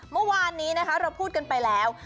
เมื่อวานนี้นะคะเราพูดกันไปแล้ว